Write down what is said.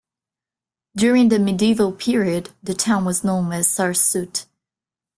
During the medieval period, the town was known as Sarsuti.